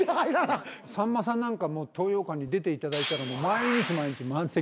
さんまさんなんか東洋館に出ていただいたら毎日毎日満席です。